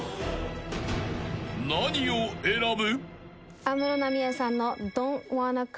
［何を選ぶ？］